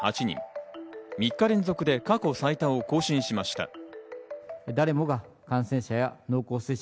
３日連続で過去最多を更新しました。